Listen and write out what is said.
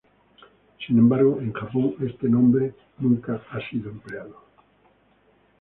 Sin embargo, en Japón este nombre nunca ha sido empleado.